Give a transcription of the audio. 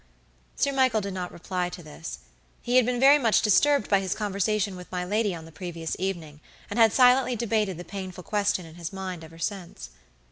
Sir Michael did not reply to this. He had been very much disturbed by his conversation with my lady on the previous evening, and had silently debated the painful question, in his mind ever since.